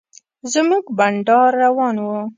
زموږ بنډار روان و.